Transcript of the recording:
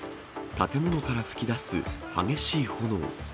建物から噴き出す激しい炎。